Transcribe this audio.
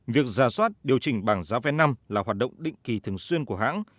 việc giả soát điều chỉnh bảng giá vé năm là hoạt động định kỳ thường xuyên của hãng